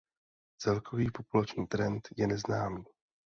Celkový populační trend je neznámý.